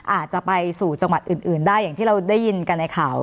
อาจจะไปสู่จังหวัดอื่นได้อย่างที่เราได้ยินกันในข่าว